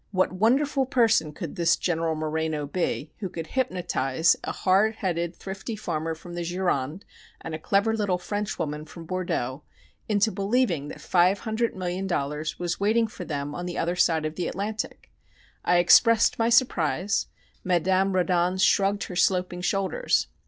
What wonderful person could this General Moreno be, who could hypnotize a hard headed, thrifty farmer from the Gironde and a clever little French woman from Bordeaux into believing that five hundred million dollars was waiting for them on the other side of the Atlantic! I expressed my surprise. Madame Reddon shrugged her sloping shoulders.